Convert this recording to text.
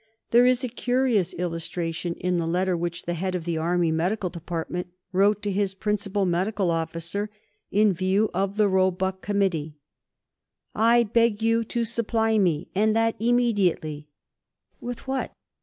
There is a curious illustration in the letter which the Head of the Army Medical Department wrote to his Principal Medical Officer in view of the Roebuck Committee. "I beg you to supply me, and that immediately" with what?